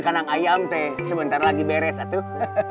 kanang ayam teh sebentar lagi beres tuh